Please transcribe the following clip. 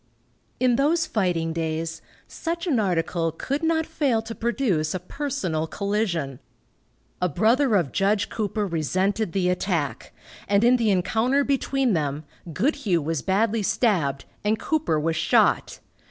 In those fighting days, such an article could not fail to produce a personal collision. A brother of Judge Cooper resented the attack, and in the encounter between them, Goodhue was badly stabbed and Cooper was shot.